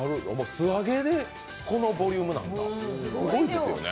素揚げでこのボリュームなんだすごいですよね。